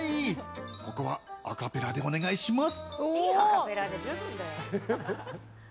ここはアカペラでお願いします。